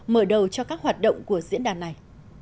mở đầu cho các hoạt động của diễn đàn này